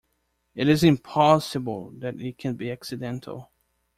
It is impossible that it can be accidental!